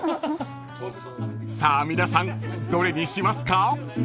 ［さあ皆さんどれにしますか？］